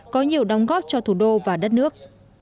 có nhiều đóng góp cho thủ đô và đất nước